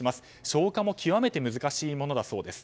消火も極めて難しいものだそうです。